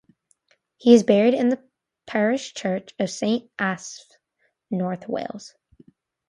He is buried in the parish church of Saint Asaph, north Wales.